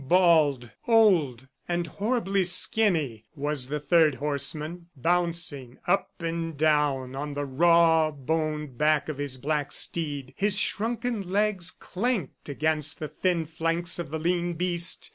Bald, old and horribly skinny was the third horseman bouncing up and down on the rawboned back of his black steed. His shrunken legs clanked against the thin flanks of the lean beast.